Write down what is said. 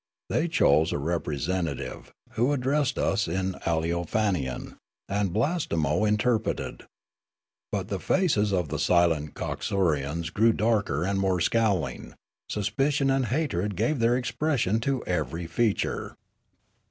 They chose a represent ative, who addressed us in Aleofanian, and Blastemo interpreted. But the faces of the silent Coxurians grew darker and more scowling ; suspicion and hatred gave their expression to every feature.